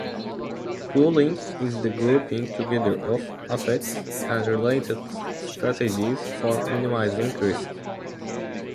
Pooling is the grouping together of assets, and related strategies for minimizing risk.